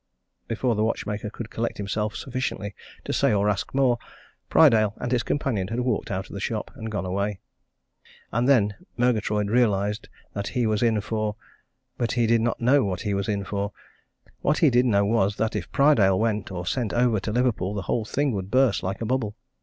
Before the watchmaker could collect himself sufficiently to say or ask more, Prydale and his companion had walked out of the shop and gone away. And then Murgatroyd realized that he was in for but he did not know what he was in for. What he did know was that if Prydale went or sent over to Liverpool the whole thing would burst like a bubble.